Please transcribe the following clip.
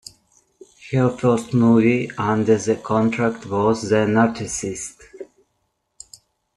Her first movie under the contract was "The Narcassist".